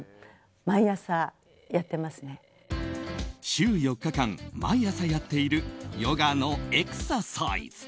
週４日間、毎朝やっているヨガのエクササイズ。